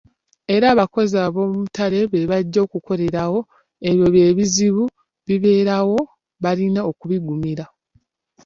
Era abakozi aboomubutale be bajja okukolerawo, ebyo bizibu bibeerawo balina okubigumira.